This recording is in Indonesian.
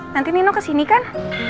nanti nino kesini kan